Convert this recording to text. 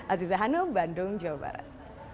aziza hanum bandung jawa barat